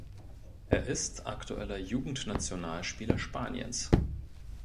Er ist aktueller Jugendnationalspieler Spaniens.